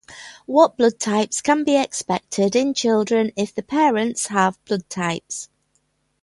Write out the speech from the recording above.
What blood types can be expected in children if the parents have blood types